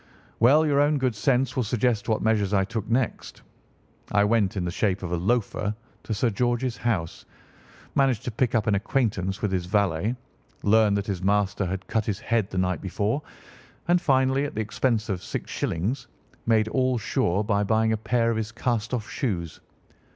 "Well, your own good sense will suggest what measures I took next. I went in the shape of a loafer to Sir George's house, managed to pick up an acquaintance with his valet, learned that his master had cut his head the night before, and, finally, at the expense of six shillings, made all sure by buying a pair of his cast off shoes.